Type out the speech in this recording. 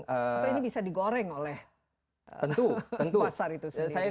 atau ini bisa digoreng oleh pasar itu sendiri